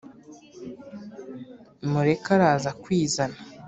mureke araza kwizana!